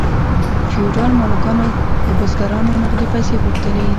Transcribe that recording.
فیوډال مالکانو له بزګرانو نغدې پیسې غوښتلې.